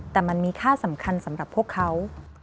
แต่มันมีค่าสำคัญสำหรับพวกเขา